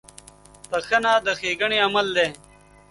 • بخښنه د ښېګڼې عمل دی.